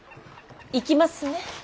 行きますね。